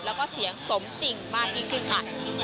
แล้วก็เสียงสมจริงมากยิ่งขึ้นค่ะ